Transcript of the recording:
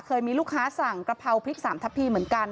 เคยมีลูกค้าสั่งกระเพราพริกสามทับพีเหมือนกัน